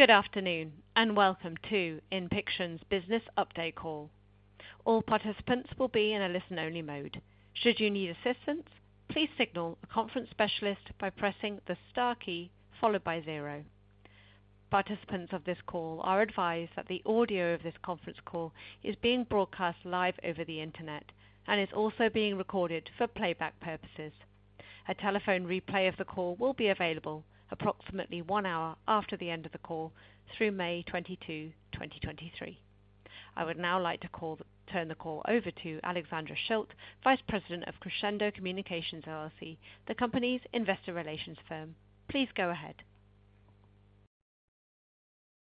Good afternoon. Welcome to Inpixon's Business Update Call. All participants will be in a listen-only mode. Should you need assistance, please signal a conference specialist by pressing the star key followed by zero. Participants of this call are advised that the audio of this conference call is being broadcast live over the Internet and is also being recorded for playback purposes. A telephone replay of the call will be available approximately 1 hour after the end of the call through May 22, 2023. I would now like to turn the call over to Alexandra Schilt, Vice President of Crescendo Communications, LLC, the company's investor relations firm. Please go ahead.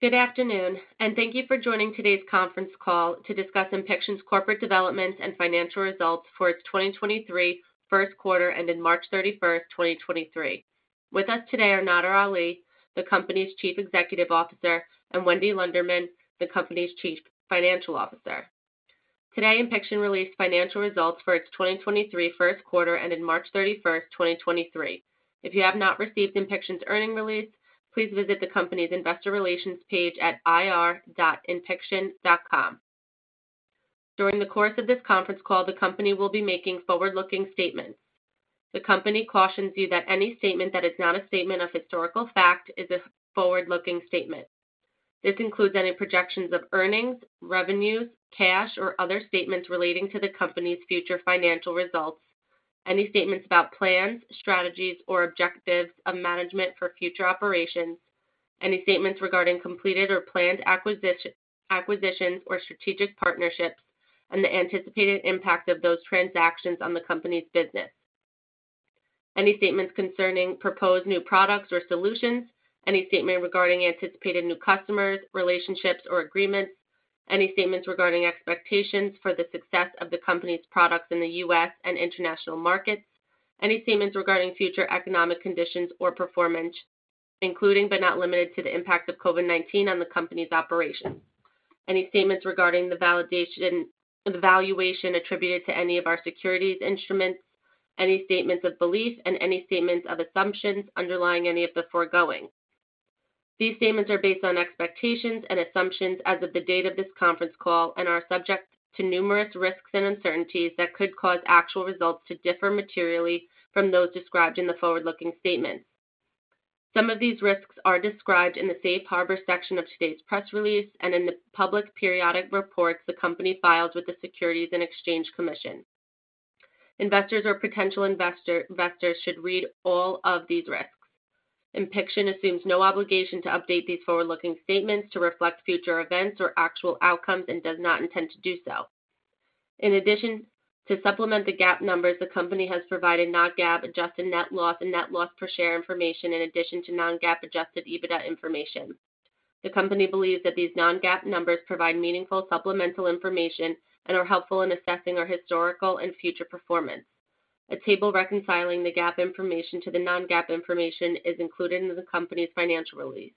Good afternoon, and thank you for joining today's conference call to discuss Inpixon's corporate development and financial results for its 2023 first quarter ending March 31st, 2023. With us today are Nadir Ali, the company's Chief Executive Officer, and Wendy Lunderman, the company's Chief Financial Officer. Today, Inpixon released financial results for its 2023 first quarter ending March 31st, 2023. If you have not received Inpixon's earnings release, please visit the company's investor relations page at ir.inpixon.com. During the course of this conference call, the company will be making forward-looking statements. The company cautions you that any statement that is not a statement of historical fact is a forward-looking statement. This includes any projections of earnings, revenues, cash, or other statements relating to the company's future financial results, any statements about plans, strategies, or objectives of management for future operations, any statements regarding completed or planned acquisition, acquisitions or strategic partnerships and the anticipated impact of those transactions on the company's business. Any statements concerning proposed new products or solutions, any statement regarding anticipated new customers, relationships or agreements, any statements regarding expectations for the success of the company's products in the U.S. and international markets, any statements regarding future economic conditions or performance, including but not limited to the impact of COVID-19 on the company's operations, any statements regarding the valuation attributed to any of our securities instruments, any statements of belief, and any statements of assumptions underlying any of the foregoing. These statements are based on expectations and assumptions as of the date of this conference call and are subject to numerous risks and uncertainties that could cause actual results to differ materially from those described in the forward-looking statements. Some of these risks are described in the Safe Harbor section of today's press release and in the public periodic reports the company files with the Securities and Exchange Commission. Investors or potential investors should read all of these risks. Inpixon assumes no obligation to update these forward-looking statements to reflect future events or actual outcomes and does not intend to do so. To supplement the GAAP numbers, the company has provided non-GAAP adjusted net loss and net loss per share information in addition to non-GAAP adjusted EBITDA information. The company believes that these non-GAAP numbers provide meaningful supplemental information and are helpful in assessing our historical and future performance. A table reconciling the GAAP information to the non-GAAP information is included in the company's financial release.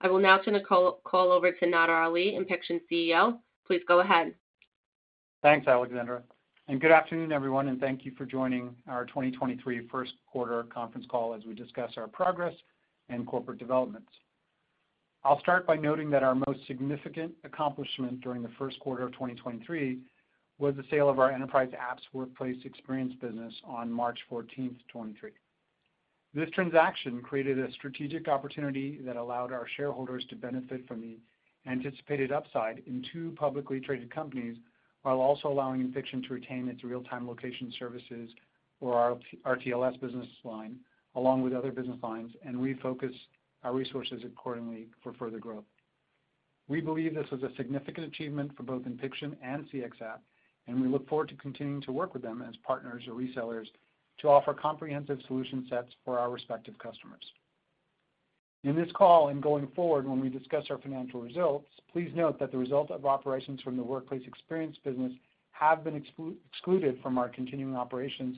I will now turn the call over to Nadir Ali, Inpixon CEO. Please go ahead. Thanks, Alexandra, and good afternoon, everyone, and thank you for joining our 2023 first quarter conference call as we discuss our progress and corporate developments. I'll start by noting that our most significant accomplishment during the first quarter of 2023 was the sale of our Enterprise Apps Workplace Experience business on March 14, 2023. This transaction created a strategic opportunity that allowed our shareholders to benefit from the anticipated upside in two publicly traded companies, while also allowing Inpixon to retain its real-time location services or RTLS business line, along with other business lines, and refocus our resources accordingly for further growth. We believe this is a significant achievement for both Inpixon and CXApp, and we look forward to continuing to work with them as partners or resellers to offer comprehensive solution sets for our respective customers. In this call and going forward, when we discuss our financial results, please note that the results of operations from the Workplace Experience business have been excluded from our continuing operations,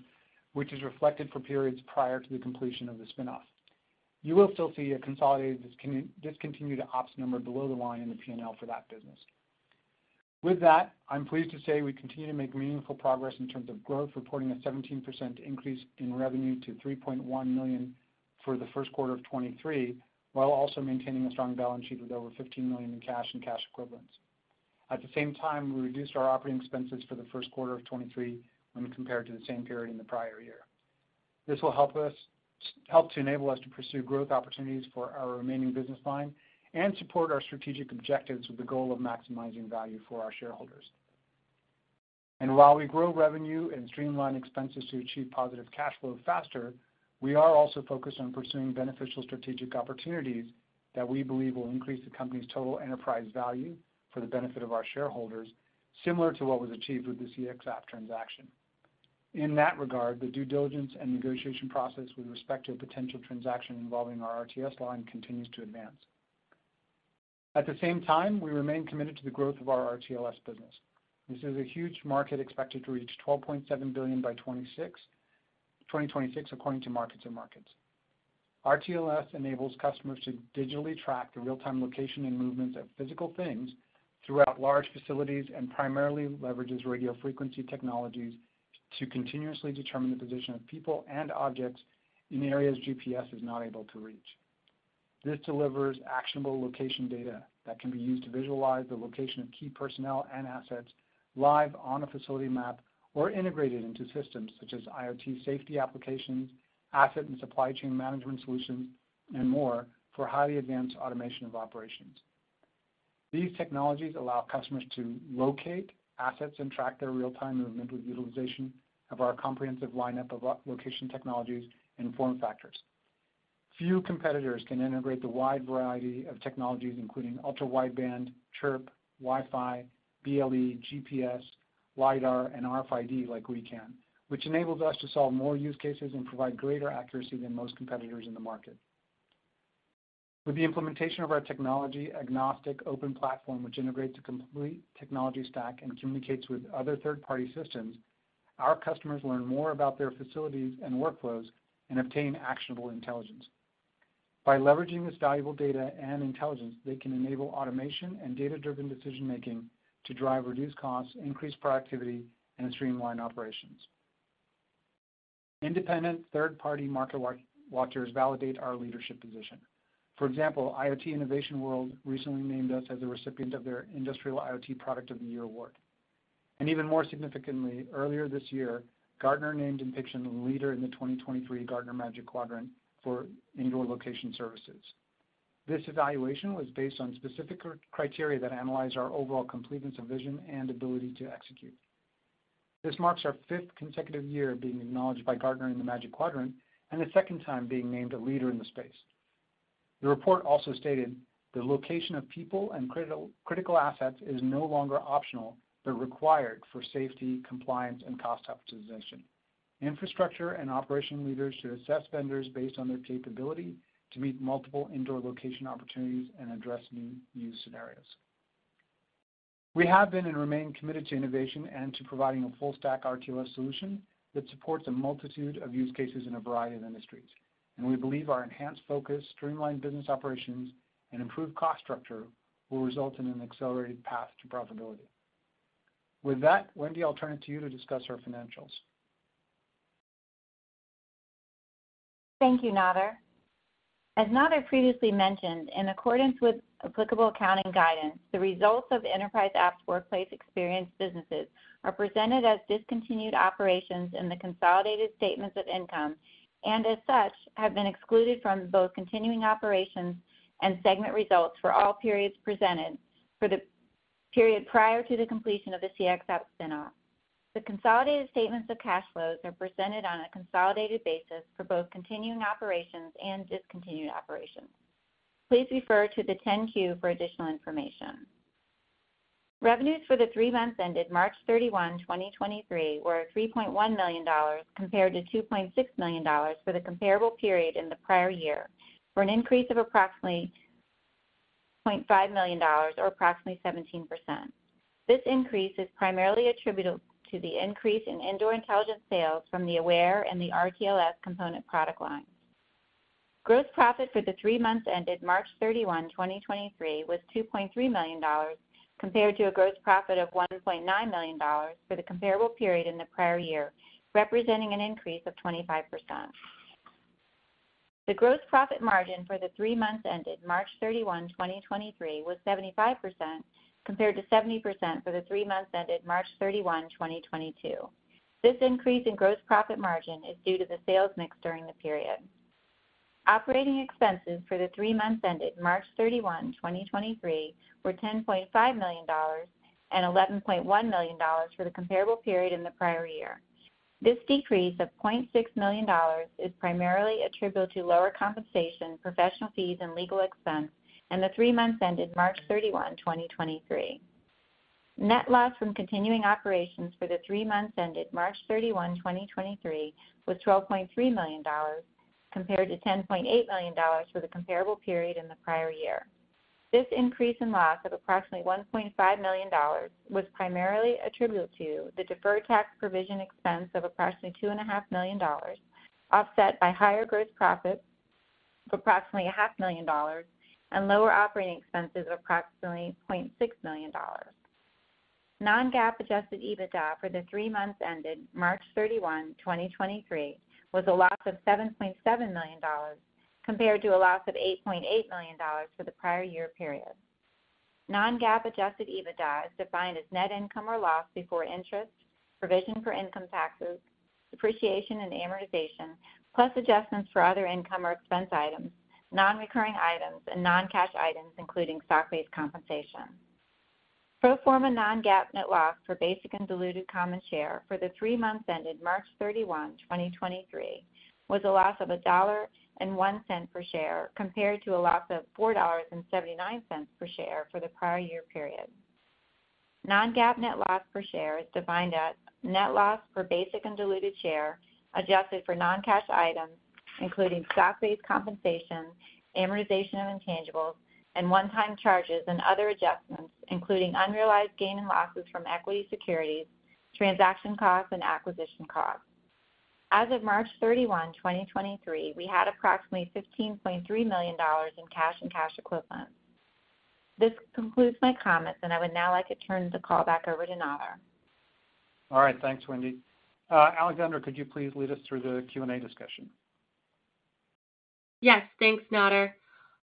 which is reflected for periods prior to the completion of the spin-off. You will still see a consolidated discontinued ops number below the line in the P&L for that business. With that, I'm pleased to say we continue to make meaningful progress in terms of growth, reporting a 17% increase in revenue to $3.1 million for the first quarter of 2023, while also maintaining a strong balance sheet with over $15 million in cash and cash equivalents. At the same time, we reduced our operating expenses for the first quarter of 2023 when compared to the same period in the prior year. This will help to enable us to pursue growth opportunities for our remaining business line and support our strategic objectives with the goal of maximizing value for our shareholders. While we grow revenue and streamline expenses to achieve positive cash flow faster, we are also focused on pursuing beneficial strategic opportunities that we believe will increase the company's total enterprise value for the benefit of our shareholders, similar to what was achieved with the CXApp transaction. In that regard, the due diligence and negotiation process with respect to a potential transaction involving our RTS line continues to advance. At the same time, we remain committed to the growth of our RTLS business. This is a huge market expected to reach $12.7 billion by 2026, according to MarketsandMarkets. RTLS enables customers to digitally track the real-time location and movements of physical things throughout large facilities and primarily leverages radio frequency technologies to continuously determine the position of people and objects in areas GPS is not able to reach. This delivers actionable location data that can be used to visualize the location of key personnel and assets live on a facility map, or integrated into systems such as IoT safety applications, asset and supply chain management solutions, and more for highly advanced automation of operations. These technologies allow customers to locate assets and track their real-time movement with utilization of our comprehensive lineup of location technologies and form factors. Few competitors can integrate the wide variety of technologies, including Ultra-Wideband, Chirp, Wi-Fi, BLE, GPS, LIDAR, and RFID like we can, which enables us to solve more use cases and provide greater accuracy than most competitors in the market. With the implementation of our technology, agnostic open platform, which integrates a complete technology stack and communicates with other third-party systems, our customers learn more about their facilities and workflows and obtain actionable intelligence. By leveraging this valuable data and intelligence, they can enable automation and data-driven decision-making to drive reduced costs, increase productivity, and streamline operations. Independent third-party market watchers validate our leadership position. For example, IoT Evolution World recently named us as a recipient of their Industrial IoT Product of the Year award. Even more significantly, earlier this year, Gartner named Inpixon the leader in the 2023 Gartner Magic Quadrant for indoor location services. This evaluation was based on specific criteria that analyze our overall completeness of vision and ability to execute. This marks our fifth consecutive year being acknowledged by Gartner in the Magic Quadrant, and the second time being named a leader in the space. The report also stated, "The location of people and critical assets is no longer optional, but required for safety, compliance, and cost optimization. Infrastructure and operation leaders should assess vendors based on their capability to meet multiple indoor location opportunities and address new use scenarios." We have been and remain committed to innovation and to providing a full stack RTLS solution that supports a multitude of use cases in a variety of industries. We believe our enhanced focus, streamlined business operations, and improved cost structure will result in an accelerated path to profitability. With that, Wendy, I'll turn it to you to discuss our financials. Thank you, Nadir. As Nadir previously mentioned, in accordance with applicable accounting guidance, the results of Enterprise Apps Workplace Experience businesses are presented as discontinued operations in the consolidated statements of income, as such, have been excluded from both continuing operations and segment results for all periods presented for the period prior to the completion of the CXApp spin-off. The consolidated statements of cash flows are presented on a consolidated basis for both continuing operations and discontinued operations. Please refer to the 10-Q for additional information. Revenues for the three months ended March 31, 2023, were $3.1 million compared to $2.6 million for the comparable period in the prior year, for an increase of approximately $0.5 million or approximately 17%. This increase is primarily attributable to the increase in Indoor Intelligence sales from the Aware and the RTLS component product lines. Gross profit for the three months ended March 31, 2023 was $2.3 million, compared to a gross profit of $1.9 million for the comparable period in the prior year, representing an increase of 25%. The gross profit margin for the three months ended March 31, 2023 was 75%, compared to 70% for the three months ended March 31, 2022. This increase in gross profit margin is due to the sales mix during the period. Operating expenses for the three months ended March 31, 2023 were $10.5 million and $11.1 million for the comparable period in the prior year. This decrease of $0.6 million is primarily attributable to lower compensation, professional fees, and legal expense in the three months ended March 31, 2023. Net loss from continuing operations for the three months ended March 31, 2023 was $12.3 million, compared to $10.8 million for the comparable period in the prior year. This increase in loss of approximately $1.5 million was primarily attributable to the deferred tax provision expense of approximately two and a half million dollars, offset by higher gross profits of approximately a half million dollars and lower operating expenses of approximately $0.6 million. Non-GAAP adjusted EBITDA for the three months ended March 31, 2023 was a loss of $7.7 million, compared to a loss of $8.8 million for the prior year period. Non-GAAP adjusted EBITDA is defined as net income or loss before interest, provision for income taxes, depreciation and amortization, plus adjustments for other income or expense items, non-recurring items and non-cash items including stock-based compensation. Pro forma non-GAAP net loss for basic and diluted common share for the three months ended March 31, 2023 was a loss of $1.01 per share, compared to a loss of $4.79 per share for the prior year period. Non-GAAP net loss per share is defined as net loss per basic and diluted share, adjusted for non-cash items, including stock-based compensation, amortization of intangibles, and one-time charges and other adjustments, including unrealized gain and losses from equity securities, transaction costs, and acquisition costs. As of March 31, 2023, we had approximately $15.3 million in cash and cash equivalents. This concludes my comments, and I would now like to turn the call back over to Nadir. All right. Thanks, Wendy. Alexandra, could you please lead us through the Q&A discussion? Yes. Thanks, Nadir.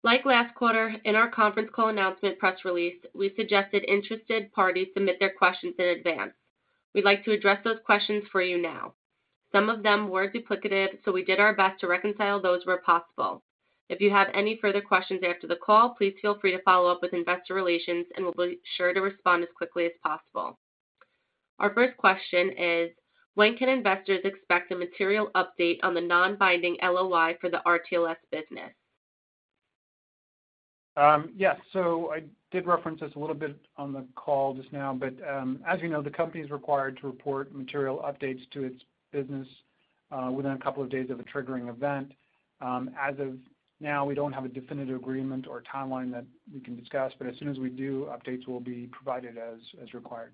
Like last quarter, in our conference call announcement press release, we suggested interested parties submit their questions in advance. We'd like to address those questions for you now. Some of them were duplicative, so we did our best to reconcile those where possible. If you have any further questions after the call, please feel free to follow up with investor relations, and we'll be sure to respond as quickly as possible. Our first question is, when can investors expect a material update on the non-binding LOI for the RTLS business? Yes. I did reference this a little bit on the call just now, but, as you know, the company's required to report material updates to its business, within a couple of days of a triggering event. As of now, we don't have a definitive agreement or timeline that we can discuss, but as soon as we do, updates will be provided as required.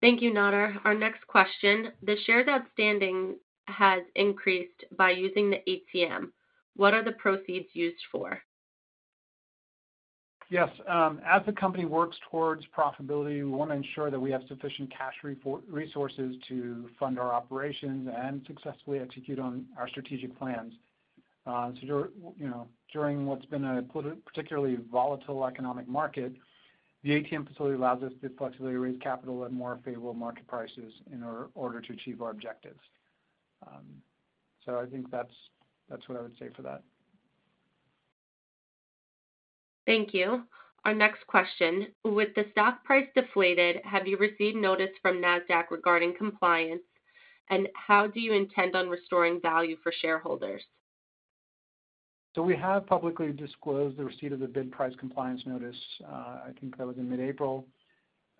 Thank you, Nadir. Our next question. The shares outstanding has increased by using the ATM. What are the proceeds used for? Yes. As the company works towards profitability, we wanna ensure that we have sufficient cash report resources to fund our operations and successfully execute on our strategic plans. You know, during what's been a particularly volatile economic market, the ATM facility allows us to flexibly raise capital at more favorable market prices in order to achieve our objectives. I think that's what I would say for that. Thank you. Our next question. With the stock price deflated, have you received notice from Nasdaq regarding compliance, and how do you intend on restoring value for shareholders? We have publicly disclosed the receipt of the bid price compliance notice, I think that was in mid-April.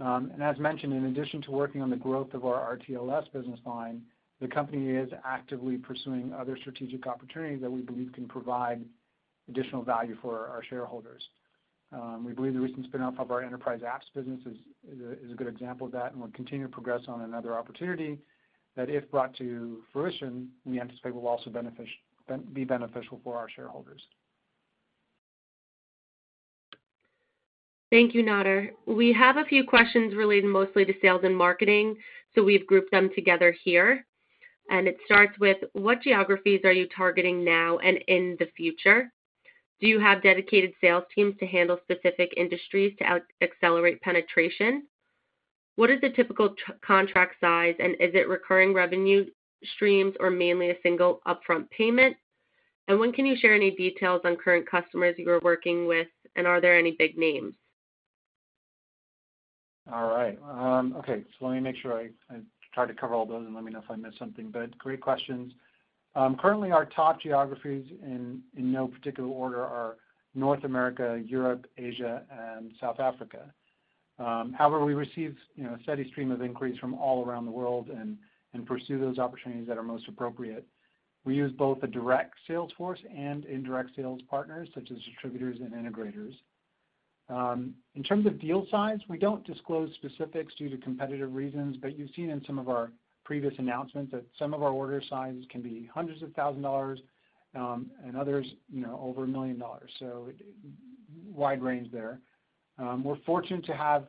As mentioned, in addition to working on the growth of our RTLS business line, the company is actively pursuing other strategic opportunities that we believe can provide additional value for our shareholders. We believe the recent spin-off of our enterprise apps business is a good example of that, and we'll continue to progress on another opportunity that, if brought to fruition, we anticipate will also be beneficial for our shareholders. Thank you, Nadir. We have a few questions relating mostly to sales and marketing. We've grouped them together here. It starts with, what geographies are you targeting now and in the future? Do you have dedicated sales teams to handle specific industries to accelerate penetration? What is the typical contract size, and is it recurring revenue streams or mainly a single upfront payment? When can you share any details on current customers you are working with, and are there any big names? All right. Okay. Let me make sure I tried to cover all those and let me know if I missed something, but great questions. Currently, our top geographies, in no particular order, are North America, Europe, Asia, and South Africa. However, we receive, you know, a steady stream of inquiries from all around the world and pursue those opportunities that are most appropriate. We use both a direct sales force and indirect sales partners such as distributors and integrators. In terms of deal size, we don't disclose specifics due to competitive reasons, but you've seen in some of our previous announcements that some of our order sizes can be hundreds of thousand dollars, and others, you know, over $1 million. Wide range there. We're fortunate to have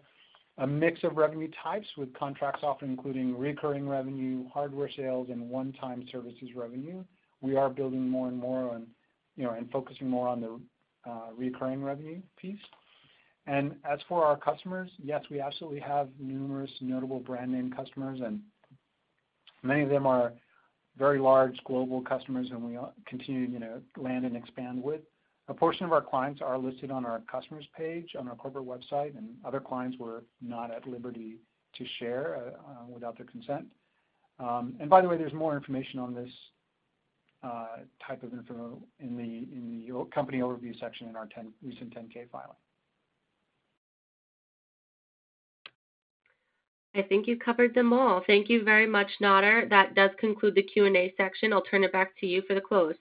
a mix of revenue types with contracts often including recurring revenue, hardware sales, and one-time services revenue. We are building more and more on, you know, and focusing more on the recurring revenue piece. As for our customers, yes, we absolutely have numerous notable brand name customers, and many of them are very large global customers and we are continuing to, you know, land and expand with. A portion of our clients are listed on our customers page on our corporate website, and other clients we're not at liberty to share without their consent. By the way, there's more information on this type of info in the company overview section in our recent 10-K filing. I think you covered them all. Thank you very much, Nadir. That does conclude the Q&A section. I'll turn it back to you for the close.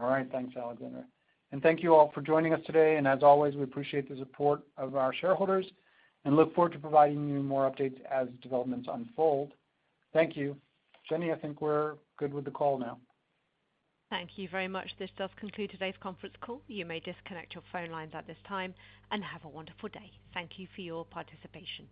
All right. Thanks, Alexandra Schilt. Thank you all for joining us today. As always, we appreciate the support of our shareholders and look forward to providing you more updates as developments unfold. Thank you. Jenny, I think we're good with the call now. Thank you very much. This does conclude today's conference call. You may disconnect your phone lines at this time, and have a wonderful day. Thank you for your participation.